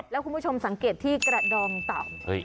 แล้วคุณผู้ชมสังเกตที่กระดองเต่า